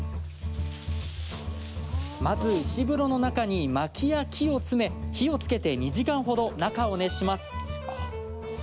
まず石風呂の中にまきや木を詰め、火をつけて２時間程、中を熱します。